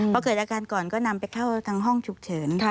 พอเกิดอาการก่อนก็นำไปเข้าทางห้องฉุกเฉิน